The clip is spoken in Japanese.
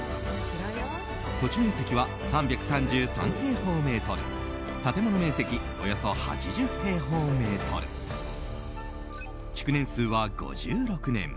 土地面積は３３３平方メートル建物面積およそ８０平方メートル築年数は５６年。